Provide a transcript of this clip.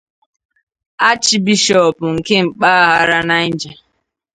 Achịbishọọpụ nke mpaghara Niger